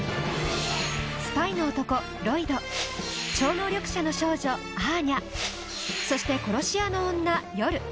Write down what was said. スパイの男・ロイド超能力者の少女・アーニャそして殺し屋の女・ヨル。